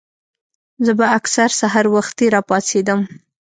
زۀ به اکثر سحر وختي راپاسېدم